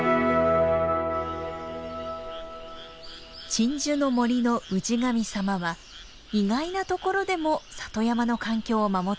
鎮守の森の氏神様は意外なところでも里山の環境を守っています。